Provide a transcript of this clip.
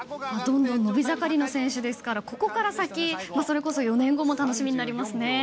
伸び盛りの選手ですからここから先４年後も楽しみになりますね。